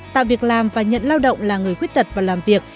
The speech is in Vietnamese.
tạo việc làm và nhận lao động là người khuyết tật vào làm việc